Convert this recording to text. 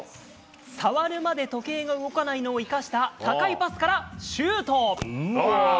触るまで時計が動かないのを生かした、高いパスからシュート。